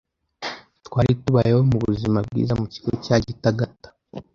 Twari tubayeho mu buzima bwiza mu kigo cya Gitagata